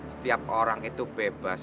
setiap orang itu bebas